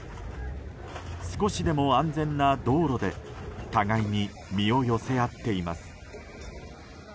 少しでも安全な道路で互いに身を寄せ合っています。